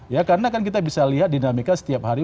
ya karena kan kita bisa lihat dinamika setiap hari